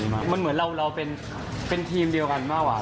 มันเหมือนเราเป็นทีมเดียวกันมากกว่า